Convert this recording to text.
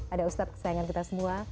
ada ustadz kesayangan kita semua